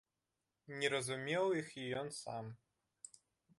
Не разумеў іх і ён сам.